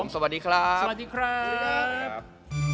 สวัสดีครับ